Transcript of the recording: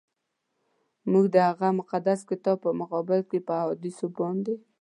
موږ د هغه مقدس کتاب په مقابل کي په احادیثو باندي.